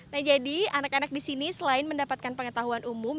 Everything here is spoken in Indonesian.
nah jadi anak anak di sini selain mendapatkan pengetahuan umum